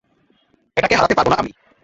এটাকে হারাতে পারবো না আমি।